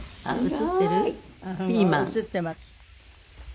映ってます。